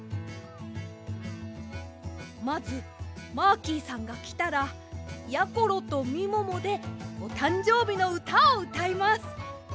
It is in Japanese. まずマーキーさんがきたらやころとみももでおたんじょうびのうたをうたいます！